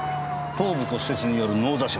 頭部骨折による脳挫傷。